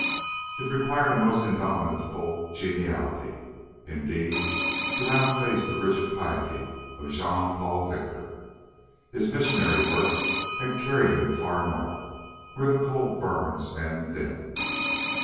It required a most indomitable geniality, indeed, to outface the rigid piety of Jean Paul Victor. His missionary work had carried him far north, where the cold burns men thin.